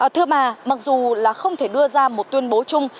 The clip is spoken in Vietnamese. thưa bà mặc dù là không thể đưa ra một tuyên bố chung